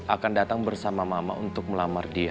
akan datang bersama mama untuk melamar dia